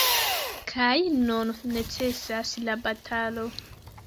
Kaj nun necesas la batalo.